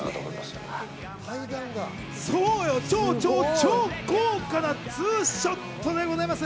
超豪華なツーショットでございます。